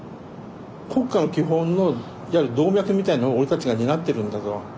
国家の基本のいわゆる動脈みたいなのを俺たちが担ってるんだぞ。